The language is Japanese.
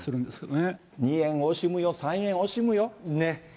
２円惜しむよ、３円惜しむよ。